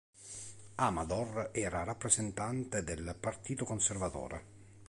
Amador era rappresentante del Partito Conservatore.